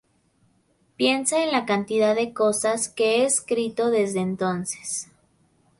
Piensa en la cantidad de cosas que he escrito desde entonces!